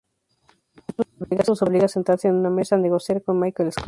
Esto los obliga a sentarse en una mesa a negociar con Michael Scott.